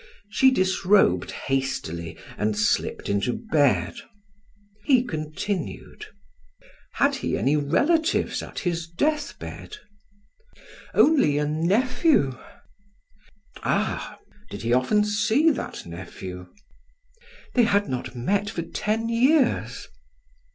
She disrobed hastily and slipped into bed. He continued: "Had he any relatives at his death bed?" "Only a nephew." "Ah! Did he often see that nephew?" "They had not met for ten years."